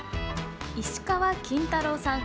石川金太郎さん。